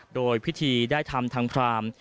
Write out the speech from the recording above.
โดยพิธีได้ทำทางพราม